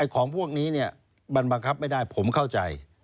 ของพวกนี้มันบังคับไม่ได้ผมเข้าใจ